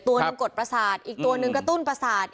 ตัวหนึ่งกดประสาทอีกตัวหนึ่งกระตุ้นประสาท